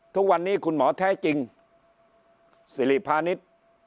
ทุกวันนี้คุณหมอแท้จริงสิริพาณิชย์